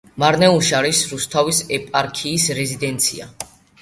მარნეულში არის რუსთავის ეპარქიის რეზიდენცია.